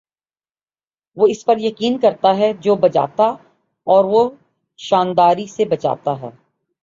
وہ اس پر یقین کرتا ہے جو بجاتا ہے اور وہ شانداری سے بجاتا ہے